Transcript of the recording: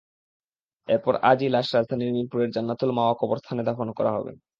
এরপর আজই লাশ রাজধানীর মিরপুরের জান্নাতুল মাওয়া কবরস্থানে দাফন করা হবে।